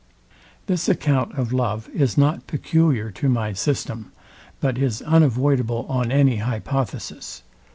This account of love is not peculiar to my system, but is unavoidable on any hypothesis.